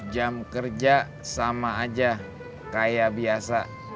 jam kerja sama aja kayak biasa